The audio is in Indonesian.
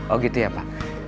oh gitu ya pak